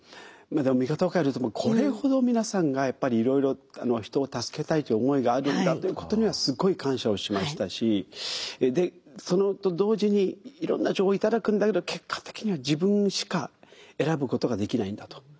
でも見方を変えるとこれほど皆さんがやっぱりいろいろ人を助けたいという思いがあるんだということにはすごい感謝をしましたしでそれと同時にいろんな情報を頂くんだけど結果的には自分しか選ぶことができないんだと。